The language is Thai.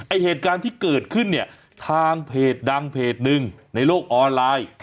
เหตุการณ์ที่เกิดขึ้นเนี่ยทางเพจดังเพจหนึ่งในโลกออนไลน์